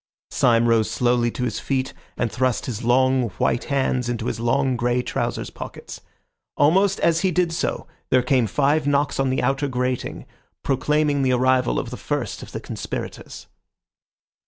Syme rose slowly to his feet and thrust his long, white hands into his long, grey trousers' pockets. Almost as he did so there came five knocks on the outer grating, proclaiming the arrival of the first of the conspirators.